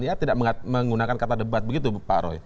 ya tidak menggunakan kata debat begitu pak roy